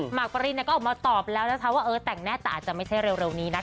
ปรินก็ออกมาตอบแล้วนะคะว่าเออแต่งแน่แต่อาจจะไม่ใช่เร็วนี้นะคะ